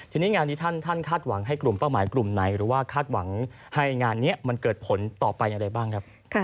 ทีนี้งานนี้ท่านคาดหวังให้กลุ่มเป้าหมายกลุ่มไหนหรือว่าคาดหวังให้งานนี้มันเกิดผลต่อไปอย่างไรบ้างครับ